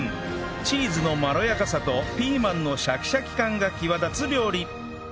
チーズのまろやかさとピーマンのシャキシャキ感が際立つ料理